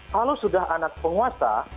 kalau sudah anak penguasa